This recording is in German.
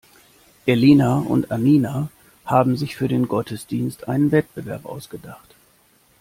Elina und Annina haben sich für den Gottesdienst einen Wettbewerb ausgedacht.